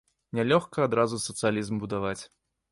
Нялёгка адразу сацыялізм будаваць.